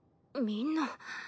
みんな。